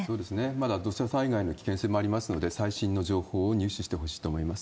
まだ土砂災害の危険性もありますので、最新の情報を入手してほしいと思います。